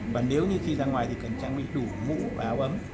và nếu như khi ra ngoài thì cần trang bị đủ mũ và áo ấm